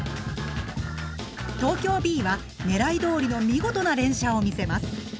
東京Ｂは狙いどおりの見事な連射を見せます。